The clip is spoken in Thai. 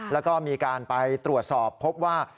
แล้วก็มีการไปตรวจสอบพบว่า